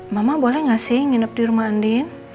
mama boleh nggak sih nginep di rumah andin